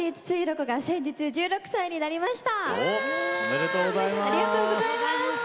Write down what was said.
心が先月１６歳になりました。